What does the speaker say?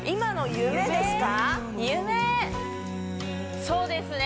夢そうですね